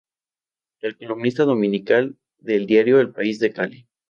Es columnista dominical del diario El País de Cali.